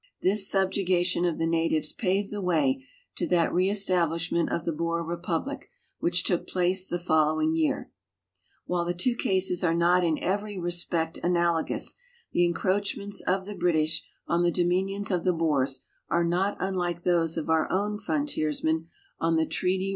This sub jugation of the natiyes paved the way to that reestablishment of tlie Boer republic which took place the following A'ear. \\diile the two cases are not in every respect analogous, the encroachments of the British on the dominions of the Boers are not unlike those of our own frontiersmen on the treaty reserva *See Appletons' Annual Cycloptedia, New Series, Vols.